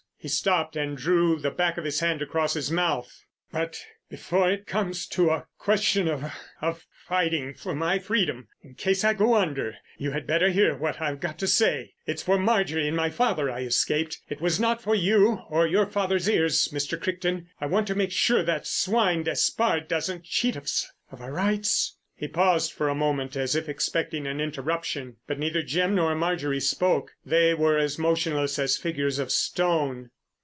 He stopped, and drew the back of his hand across his mouth. "But before it comes to a question of—of fighting for my freedom—in case I go under, you had better hear what I've got to say. It's for Marjorie and my father I escaped. It was not for you or your father's ears, Mr. Crichton—I want to make sure that swine Despard doesn't cheat us of our rights." He paused a moment as if expecting an interruption, but neither Jim nor Marjorie spoke. They were as motionless as figures of stone.